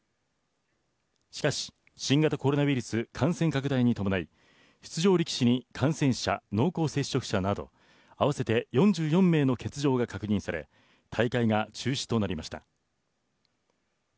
しかし、新型コロナウイルス感染拡大に伴い出場力士に感染者、濃厚接触者など合わせて４４名の欠場が確認され大会が中止となりました。